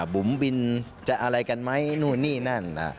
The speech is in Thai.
บุ๋มบินจะอะไรกันไหมนู่นนี่นั่น